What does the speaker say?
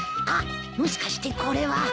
あっもしかしてこれは。